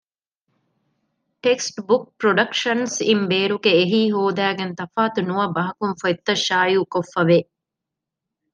ޓެކްސްޓް ބުކް ޕްރޮޑަކްޝަންސް އިން ބޭރުގެ އެހީ ހޯދައިގެން ތަފާތު ނުވަ ބަހަކުން ފޮަތްތައް ޝާއިއު ކޮށްފައިވެ